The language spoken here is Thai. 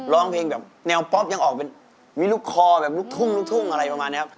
ร้องเพลงแบบแนวป๊อปยังออกเป็นมีลูกคอแบบลูกทุ่งลูกทุ่งอะไรประมาณนี้ครับ